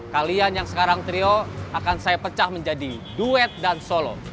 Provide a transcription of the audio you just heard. kalian yang sekarang trio akan saya pecah menjadi duet dan solo